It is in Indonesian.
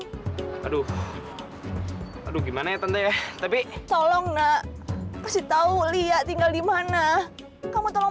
sekarang aduh aduh gimana ya tante tapi tolong nak pasti tahu lia tinggal di mana kamu tolong